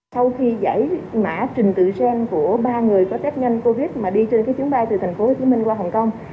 sau khi giải mã trình tự gen của ba người có test nhanh covid mà đi trên cái chuyến bay từ tp hcm qua hồng kông